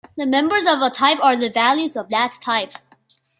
The members of a type are the values of that type.